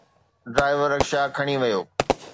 driver rickshaw کڻي ويو